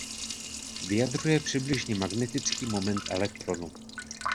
Vyjadřuje přibližně magnetický moment elektronu.